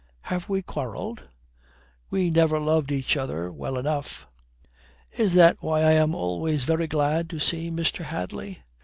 "Have we quarrelled?" "We never loved each other well enough." "Is that why I am always very glad to see Mr. Hadley?"